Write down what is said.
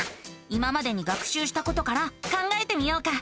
今までに学しゅうしたことから考えてみようか。